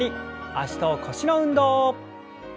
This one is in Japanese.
脚と腰の運動。